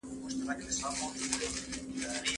خلفای راشدین د رسول الله ص د نبوت د باغ رښتیني روزونکي وو.